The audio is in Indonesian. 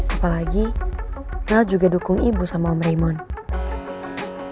apalagi mel juga dukung ibu sama om raymond